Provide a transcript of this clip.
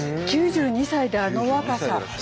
９２歳であの若さ。